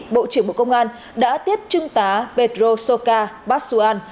bộ trưởng bộ công an đã tiếp trưng tá pedro soca basuan